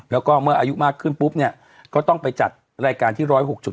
แล้วก็เมื่ออายุมากขึ้นปุ๊บเนี่ยก็ต้องไปจัดรายการที่๑๐๖